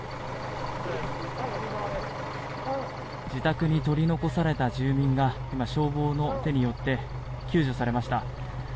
自宅に取り残された住民が今、消防の手によって救助されました。